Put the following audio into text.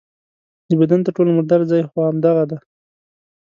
د بدن تر ټولو مردار ځای خو همدغه دی.